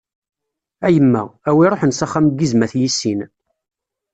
A yemma, a wi ṛuḥen s axxam n yizem ad t-yissin.